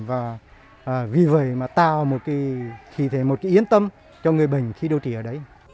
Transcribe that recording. và vì vậy mà tạo một cái yên tâm cho người bệnh khi đô trị ở đấy